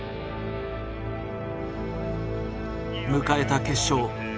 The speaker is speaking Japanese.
迎えた決勝。